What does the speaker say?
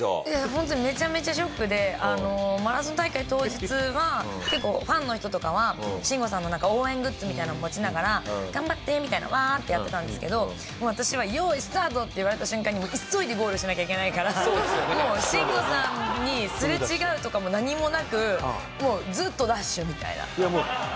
ホントにめちゃめちゃショックでマラソン大会当日は結構ファンの人とかは慎吾さんの応援グッズみたいなの持ちながら「頑張って！」みたいなワーッてやってたんですけど私は「用意スタート」って言われた瞬間に急いでゴールしなきゃいけないからもう慎吾さんにすれ違うとかも何もなくもうずっとダッシュみたいな。